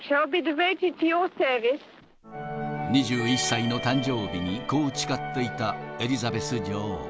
２１歳の誕生日にこう誓っていたエリザベス女王。